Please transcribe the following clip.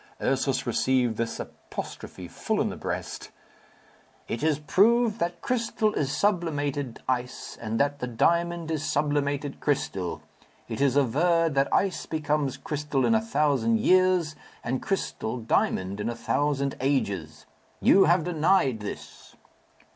Ursus received this apostrophe full in the breast, "It is proved that crystal is sublimated ice, and that the diamond is sublimated crystal. It is averred that ice becomes crystal in a thousand years, and crystal diamond in a thousand ages. You have denied this."